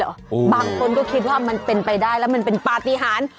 บางคนก็คิดว่ามันเป็นไปได้แล้วมันเป็นปฏิหาร